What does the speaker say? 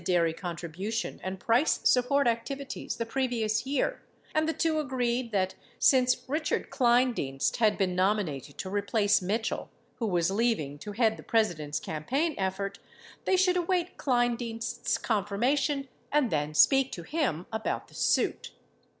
724 contribution and price support activities the previous year, and the two agreed that since Richard Kleindienst had been nominated to replace Mitchell, who was leaving to head the President's campaign eflort, they should await Kleindienst's confirmation and then speak to him about the suit.